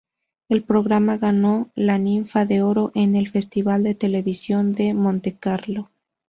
El programa ganó la Ninfa de Oro en el Festival de Televisión de Montecarlo.